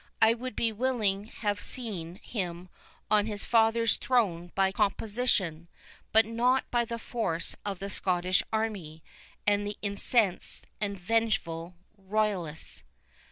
I would willingly have seen him on his father's throne by composition, but not by the force of the Scottish army, and the incensed and vengeful royalists."